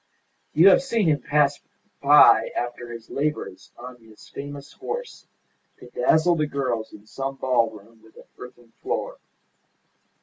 You have seen him pass by after his labours on his famous horse to dazzle the girls in some ballroom with an earthen floor.